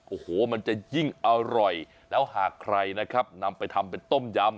โอ้โหมันจะยิ่งอร่อยแล้วหากใครนะครับนำไปทำเป็นต้มยำ